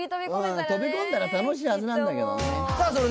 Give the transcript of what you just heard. うん飛び込んだら楽しいはずなんだけどねさあ